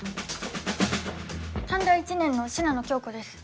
短大１年の信濃京子です。